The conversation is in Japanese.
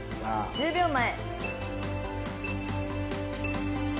１０秒前。